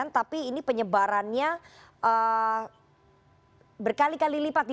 tapi ini penyebarannya berkali kali lipat